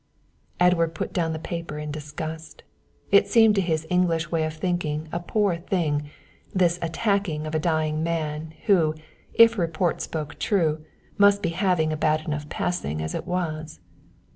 Edward put down the paper in disgust. It seemed to his English way of thinking, a poor thing, this attacking of a dying man, who, if report spoke true, must be having a bad enough passing as it was.